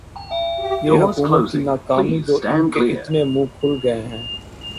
یہ حکومت کی ناکامی جو انکے اتنے منہ کھل گئے ہیں